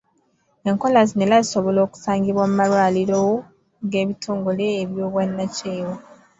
Enkola zino era zisobola okusangibwa mu malwaliro g’ebitongole eby'obwannakyewa.